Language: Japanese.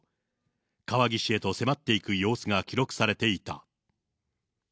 川岸へと迫っていく様子が記録されていた。